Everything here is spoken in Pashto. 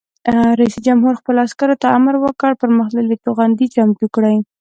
رئیس جمهور خپلو عسکرو ته امر وکړ؛ پرمختللي توغندي چمتو کړئ!